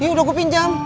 ya udah gue pinjam